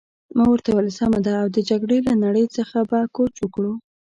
ما ورته وویل: سمه ده، او د جګړې له نړۍ څخه به کوچ وکړو.